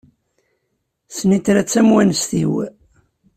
Snitra d tamewanest-iw.